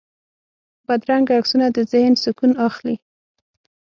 بدرنګه عکسونه د ذهن سکون اخلي